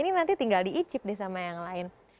ini nanti tinggal diicip deh sama yang lain